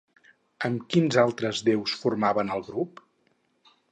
Amb quins altres déus formaven el grup?